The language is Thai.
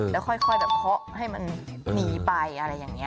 แล้วค่อยแบบเคาะให้มันหนีไปอะไรอย่างนี้